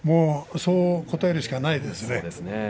そう答えるしかないですね。